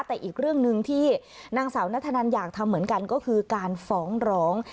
แต่อีกเรื่องหนึ่งที่นางสาวนัทธนันอยากทำเหมือนกันก็คือการฟ้องร้อง